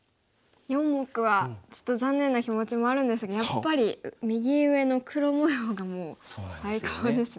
４目はちょっと残念な気持ちもあるんですがやっぱり右上の黒模様がもう最高ですね。